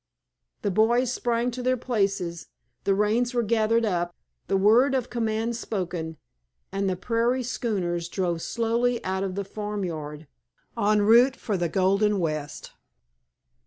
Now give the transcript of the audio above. The boys sprang to their places, the reins were gathered up, the word of command spoken, and the prairie schooners drove slowly out of the farmyard, en route for the Golden West.